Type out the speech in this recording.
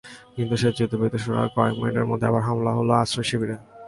কিন্তু সেই যুদ্ধবিরতি শুরু হওয়ার কয়েক মিনিটের মধ্যে আবার হামলা হলো আশ্রয়শিবিরে।